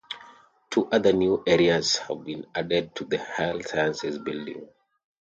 Two other new areas have been added to the Health Sciences Building.